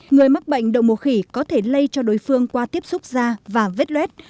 người mắc bệnh đậu mùa khỉ có thể lây cho đối phương qua tiếp xúc da và vết luet